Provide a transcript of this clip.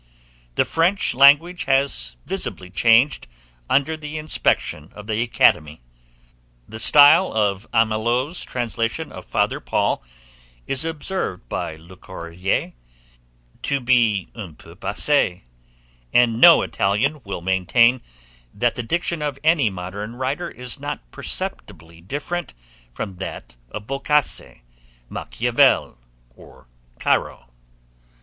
The French language has visibly changed under the inspection of the Academy; the style of Amelot's translation of Father Paul is observed by Le Courayer to be un peu passé; and no Italian will maintain that the diction of any modern writer is not perceptibly different from that of Boccace, Machiavel, or Caro.